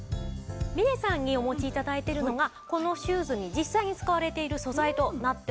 みれさんにお持ち頂いてるのがこのシューズに実際に使われている素材となっております。